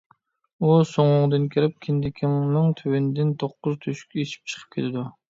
ئۇ سوڭۇڭدىن كىرىپ، كىندىكىڭنىڭ تۆۋىنىدىن توققۇز تۆشۈك ئېچىپ چىقىپ كېتىدۇ.